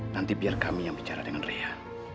nanti biar kami yang bicara dengan rea